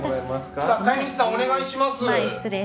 飼い主さん、お願いします。